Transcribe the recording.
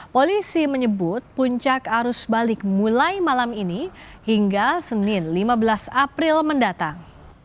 polisi menyebut puncak arus balik mulai malam ini hingga senin lima belas april mendatang